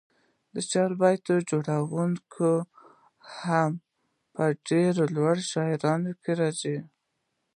د چاربیتو جوړوونکي هم په ډېرو لوړو شاعرانو کښي راځي.